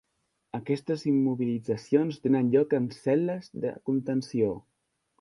Aquestes immobilitzacions tenen lloc en "cel·les de contenció".